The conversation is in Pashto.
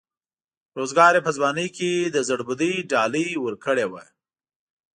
روزګار یې په ځوانۍ کې د زړبودۍ ډالۍ ورکړې وه.